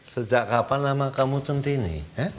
sejak kapan nama kamu centini